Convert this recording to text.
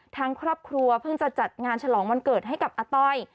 ทั้งครอบครัวเพิ่งจะจัดงานฉลองวันเกิดให้กับอาต้อย